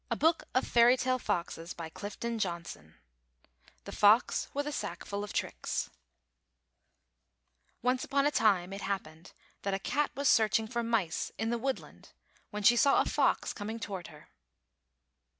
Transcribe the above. THE FOX WITH A SACKFUL OF TRICKS ^ I t I THE FOX WITH A SACKFUL OF TRICKS O NCE upon a time it happened that a cat was searching for mice in the wood land when she saw a fox coming toward her.